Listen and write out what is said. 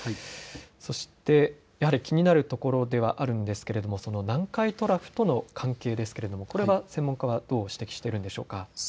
そして、やはり気になるところではあるんですが南海トラフとの関係ですけれどもこれは専門家は、どう指摘しているんでしょうか。